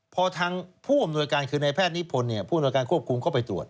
พอทางผู้อำนวยการคือในแพทย์นิพนธ์ผู้อำนวยการควบคุมเข้าไปตรวจ